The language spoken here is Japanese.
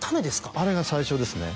あれが最初ですね。